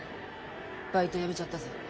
バイトやめちゃったぞ。